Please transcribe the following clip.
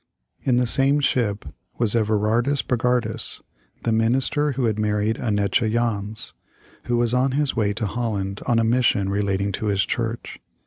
In the same ship was Everardus Bogardus (the minister who had married Annetje Jans), who was on his way to Holland on a mission relating to his church.